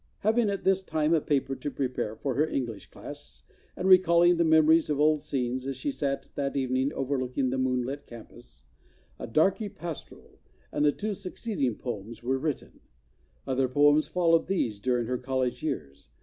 Having at this time a paper to prepare for her Eng¬ lish class, and recalling the memories of old scenes, as she sat that evening overlooking the moonlit campus, "A Darky Pastoral" and the two succeeding poems were written. Other poems followed these during her college years.